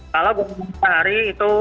kalau berhubungan matahari itu